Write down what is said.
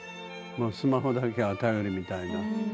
スマホだけが頼りみたいな。